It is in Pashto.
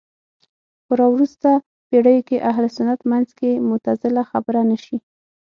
په راوروسته پېړيو کې اهل سنت منځ کې معتزله خبره نه شي